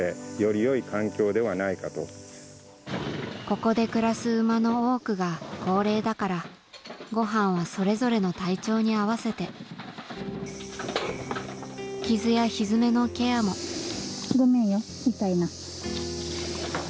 ここで暮らす馬の多くが高齢だからごはんはそれぞれの体調に合わせてごめんよ痛いな。